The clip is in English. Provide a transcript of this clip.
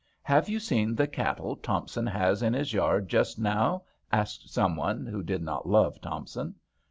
" Have you seen the cattle Thompson has in his yard just now ?" asked someone who did not love Thompson.